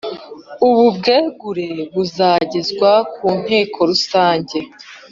Ubu bwegure buzagezwa ku nteko rusange